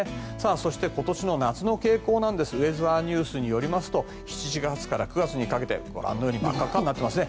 そして今年の夏の傾向なんですがウェザーニューズによりますと７月から９月にかけてご覧のように真っ赤っかになっています。